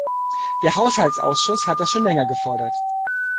Der Haushaltsausschuss hat das schon länger gefordert.